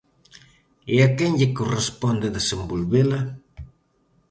¿E a quen lle corresponde desenvolvela?